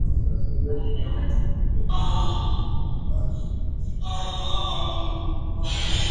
Fue procesado y absuelto por las autoridades franquistas.